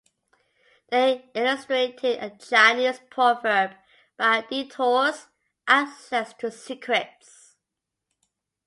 They illustrated a Chinese proverb, "By detours, access to secrets".